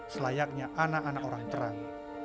selayaknya anak anak orang terang